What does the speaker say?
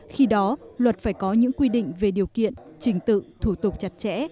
khi đó luật phải có những quy định về điều kiện trình tự thủ tục chặt chẽ